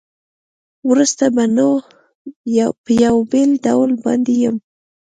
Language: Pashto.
وروسته به نو په یوه بېل ډول باندې یم.